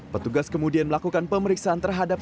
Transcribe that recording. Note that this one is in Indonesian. petugas kemudian melakukan pemeriksaan terhadap